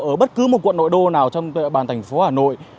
ở bất cứ một quận nội đô nào trong địa bàn thành phố hà nội